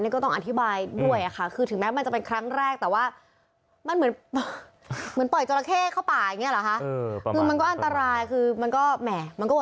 นี่ก็ต้องอธิบายด้วยค่ะถึงแม้มันจะเป็นครั้งแรกแต่ว่า